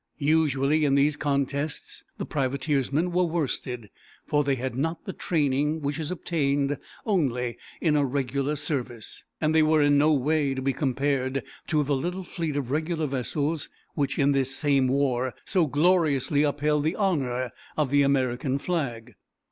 Usually, in these contests, the privateersmen were worsted, for they had not the training which is obtained only in a regular service, and they were in no way to be compared to the little fleet of regular vessels which in this same war so gloriously upheld the honor of the American flag.